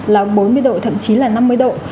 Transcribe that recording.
là bốn mươi độ thậm chí là năm mươi độ